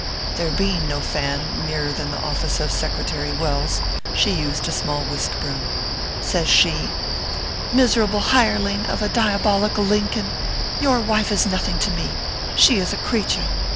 There being no fan nearer than the office of Secretary Welles, she used a small whisk broom. Says she :" Miserable hireling of a diabolical Lincoln, your wife is nothing to me. She is a creature